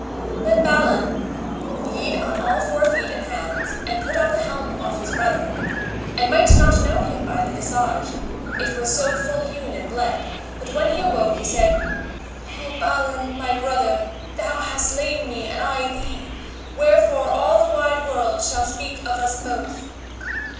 Then Balan yede on all four feet and hands, and put off the helm off his brother, and might not know him by the visage it was so ful hewn and bled; but when he awoke he said, O Balan, my brother, thou hast slain me and I thee, wherefore all the wide world shall speak of us both.